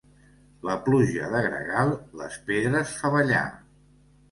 La pluja de gregal les pedres fa ballar.